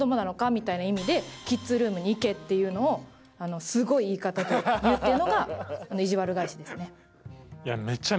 みたいな意味で「キッズルームに行け」っていうのをすごい言い方で言うっていうのがいじわる返しですね。